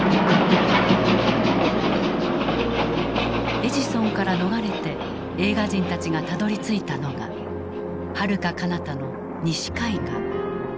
エジソンから逃れて映画人たちがたどりついたのがはるかかなたの西海岸。